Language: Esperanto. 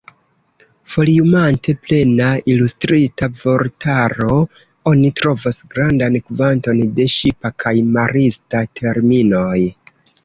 Foliumante Plena Ilustrita Vortaro, oni trovos grandan kvanton de ŝipa kaj marista terminoj.